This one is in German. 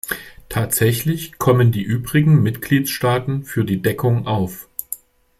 Tatsächlich kommen die übrigen Mitgliedstaaten für die Deckung auf.